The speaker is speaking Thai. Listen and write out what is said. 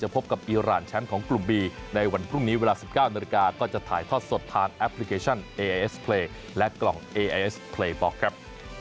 เพราะว่าดูแล้วมันก็หนักทั้งคู่นะครับ